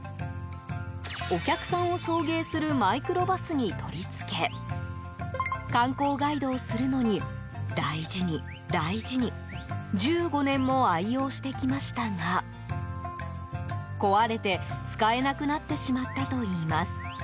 お客さんを送迎するマイクロバスに取り付け観光ガイドをするのに大事に、大事に１５年も愛用してきましたが壊れて、使えなくなってしまったといいます。